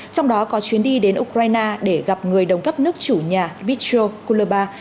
trong đó có chuyến đi đến ukraine để gặp người đồng cấp nước chủ nhà bichro kulubar